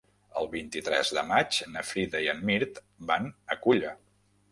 El vint-i-tres de maig na Frida i en Mirt van a Culla.